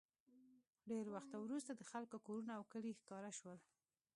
ډېر وخت وروسته د خلکو کورونه او کلي ښکاره شول